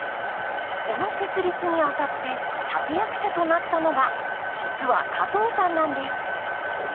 この設立にあたって立て役者となったのが実は加藤さんなんです。